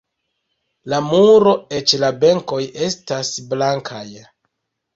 La muro, eĉ la benkoj estas blankaj.